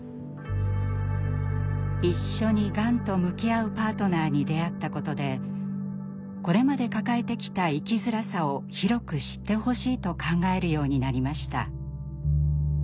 一緒にがんと向き合うパートナーに出会ったことでこれまで抱えてきた「生きづらさ」を広く知ってほしいと考えるようになりました。